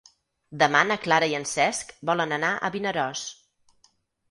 Demà na Clara i en Cesc volen anar a Vinaròs.